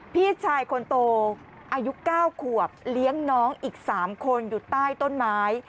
พี่ชายคนโตอายุ๙ขวบเลี้ยงน้องอีก๓คนอยู่ใต้ต้นไม้